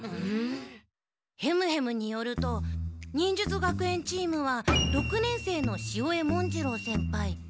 ヘムヘムによると忍術学園チームは六年生の潮江文次郎先輩